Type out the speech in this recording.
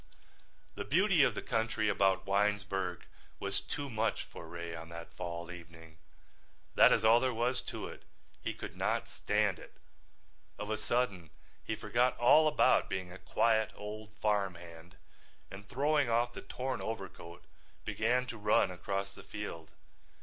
The beauty of the country about Winesburg was too much for Ray on that fall evening. That is all there was to it. He could not stand it. Of a sudden he forgot all about being a quiet old farm hand and throwing off the torn overcoat began to run across the field.